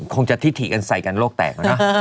คงจะที่ถี่กันใส่กันโลกแตกแล้วนะ